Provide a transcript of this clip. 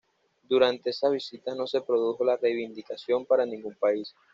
Durante esas visitas no se produjo la reivindicación para ningún país.